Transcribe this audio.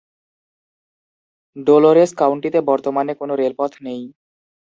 Dolores কাউন্টিতে বর্তমানে কোন রেলপথ নেই।